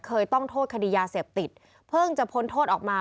เคยต้องโทษคดียาเสพติดเพิ่งจะพ้นโทษออกมา